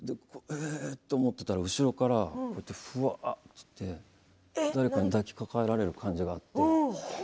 ええ？って思ってたら後ろから、こうやってふわって誰かに抱きかかえられる感じがあって。